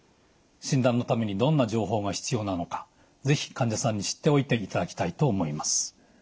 診断のためにどんな情報が必要なのか是非患者さんに知っておいていただきたいと思います。